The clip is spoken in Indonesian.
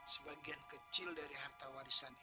sebagian kecil dari harta warisan